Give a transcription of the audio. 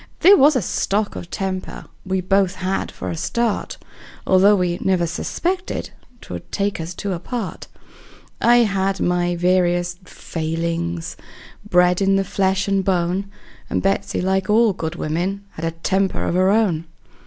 There was a stock of temper we both had for a start, Although we never suspected 'twould take us two apart; I had my various failings, bred in the flesh and bone; And Betsey, like all good women, had a temper of her own.